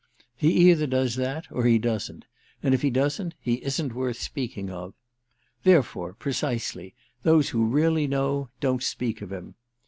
He either does that or he doesn't—and if he doesn't he isn't worth speaking of. Therefore, precisely, those who really know don't speak of him.